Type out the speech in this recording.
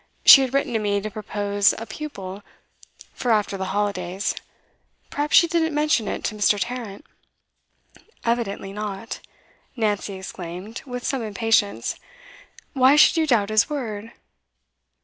She had written to me to propose a pupil for after the holidays. Perhaps she didn't mention it to Mr. Tarrant.' 'Evidently not!' Nancy exclaimed, with some impatience. 'Why should you doubt his word?